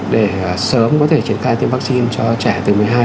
để sớm có thể triển khai tiêm vaccine cho trẻ từ một mươi hai một mươi bảy tuổi